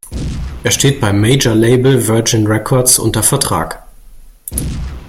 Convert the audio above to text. Er steht beim Major-Label Virgin Records unter Vertrag.